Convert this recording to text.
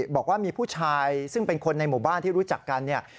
บอกว่ามีผู้ชายซึ่งเป็นคนในหมู่บ้านที่รู้จักกันเนี่ย